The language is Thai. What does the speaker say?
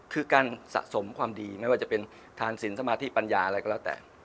คือการสะสมความดีไม่ว่าจะเป็นทานสินสมาธิปัญญาอะไรก็แล้วแต่